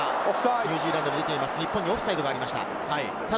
日本にオフサイドがありました。